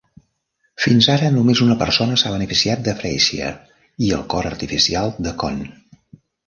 Fins ara, només una persona s'ha beneficiat de Frazier i el cor artificial de Cohn.